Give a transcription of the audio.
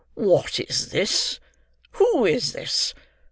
"What is this? Who is this?